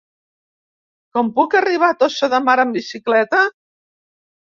Com puc arribar a Tossa de Mar amb bicicleta?